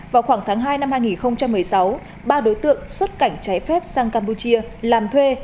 vào khoảng tháng hai năm hai nghìn một mươi sáu ba đối tượng xuất cảnh trái phép sang campuchia làm thuê